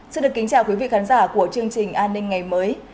xin được kính chào quý vị khán giả của chương trình an ninh ngày mới